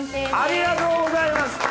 ありがとうございます！